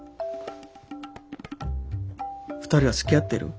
２人はつきあってる？